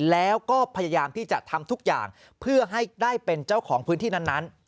แล้วก็พยายามที่จะทำทุกอย่างเพื่อให้ได้เป็นเจ้าของพื้นที่นั้น